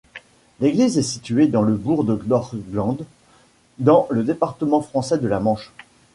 L'église est située dans le bourg d'Orglandes, dans le département français de la Manche.